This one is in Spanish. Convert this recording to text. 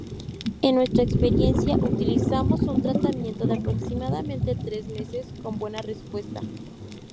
En nuestra experiencia utilizamos un tratamiento de aproximadamente tres meses, con buena respuesta.